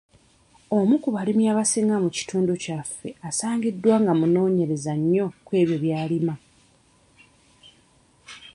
Omu ku balimi abasinga mu kitundu kyaffe asangiddwa nga munoonyereza nnyo kw'ebyo by'alima.